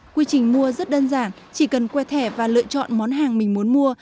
quy trình mua rất đơn giản chỉ cần que thẻ và lựa chọn món hàng mình muốn mua